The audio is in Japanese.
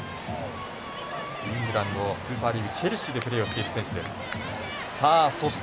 イングランドのスーパーリーグチェルシーでプレーしている選手。